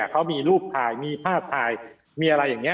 เขามีรูปถ่ายมีภาพถ่ายมีอะไรอย่างนี้